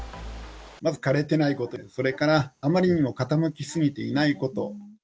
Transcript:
まず枯れてないこと、それから、あまりにも傾き過ぎていないこと。